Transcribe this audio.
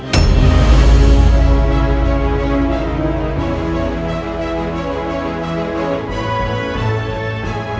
tidak di chegkk